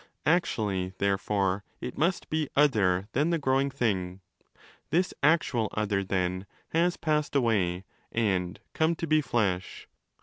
Actually, therefore, it must be 'other' than the growing thing. This 'actual other', then, has passed away and come to be flesh.